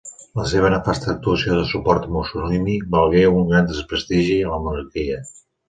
La seva nefasta actuació de suport a Mussolini valgué un gran desprestigi a la monarquia.